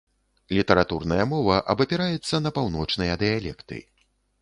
Літаратурная мова абапіраецца на паўночныя дыялекты.